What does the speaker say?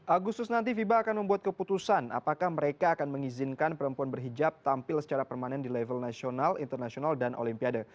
agustus nanti fiba akan membuat keputusan apakah mereka akan mengizinkan perempuan berhijab tampil secara permanen di level nasional internasional dan olimpiade